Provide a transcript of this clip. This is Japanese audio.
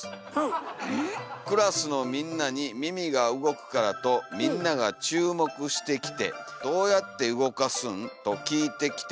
「クラスのみんなに耳が動くからとみんながちゅうもくしてきて『どうやってうごかすん？』ときいてきて」。